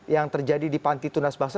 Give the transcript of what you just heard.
yang terjadi di panti tunas bangsa